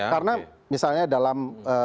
karena misalnya dalam